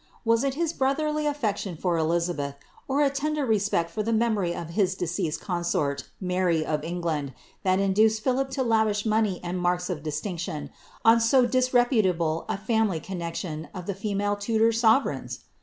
Was it his brotherly affection for Elizabeth, or a tender re elect for the memory of his deceased consort, Mary of England, that iaduced Philip to lavish money and marks of distinction on so disrepu ttble a family connexion of the female Tudor sovereigns